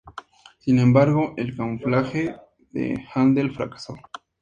Sin embargo, el camuflaje de Händel fracasó.